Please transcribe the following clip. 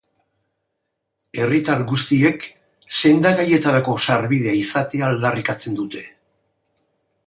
Herritar guztiek sendagaietarako sarbidea izatea aldarrikatzen dute.